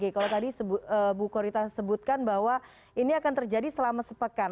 kalau tadi bu korita sebutkan bahwa ini akan terjadi selama sepekan